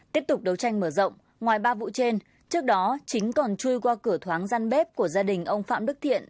tiếp tục đấu tranh mở rộng ngoài ba vụ trên trước đó chính còn chui qua cửa thoáng răn bếp của gia đình ông phạm đức thiện